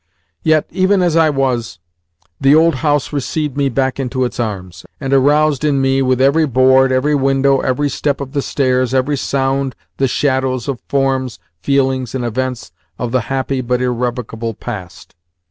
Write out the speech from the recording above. Yet, even as I was, the old house received me back into its arms, and aroused in me with every board, every window, every step of the stairs, and every sound the shadows of forms, feelings, and events of the happy but irrevocable past.